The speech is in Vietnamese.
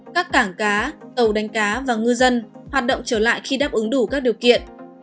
các cảng cá tàu đánh cá và ngư dân hoạt động trở lại khi đáp ứng đủ các điều kiện